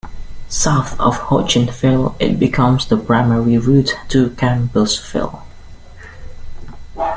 South of Hodgenville it becomes the primary route to Campbellsville.